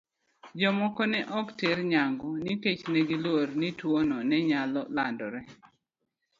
Jomoko ne ok oter nyangu nikech ne giluor ni tuwono ne nyalo landore.